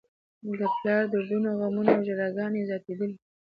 د پلار دردونه، غمونه او ژړاګانې یې زياتېدلې.